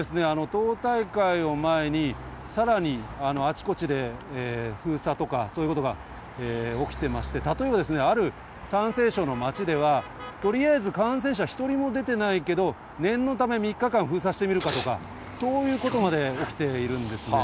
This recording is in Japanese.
党大会を前に、さらにあちこちで封鎖とかそういうことが起きてまして、例えば、ある山西省の街では、とりあえず感染者一人も出てないけど、念のため３日間、封鎖してみるかとか、そういうことまで起きているんですね。